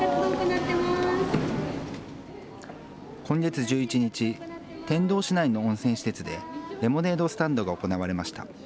今月１１日、天童市内の温泉施設で、レモネードスタンドが行われました。